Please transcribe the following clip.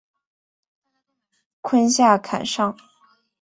坤下坎上。